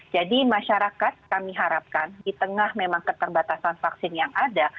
jadi masyarakat kami harapkan di tengah memang keterbatasan vaksin yang ada